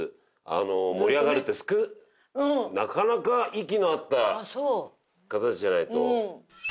なかなか息の合った方たちじゃないと。